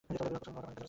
কোন ভেজাল আছে?